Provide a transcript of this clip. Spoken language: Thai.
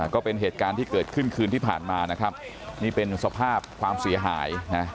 ก็เป็นเหตุการณ์ที่เกิดขึ้นคืนที่ผ่านมานะครับนี่เป็นสภาพความเสียหายนะ